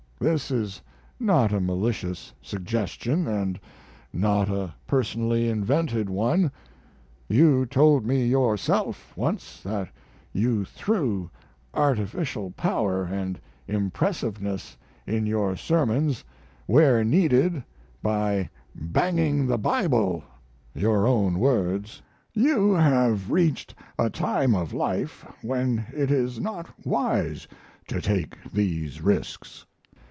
This is not a malicious suggestion, & not a personally invented one: you told me yourself once that you threw artificial power & impressiveness in your sermons where needed by "banging the Bible" (your own words). You have reached a time of life when it is not wise to take these risks.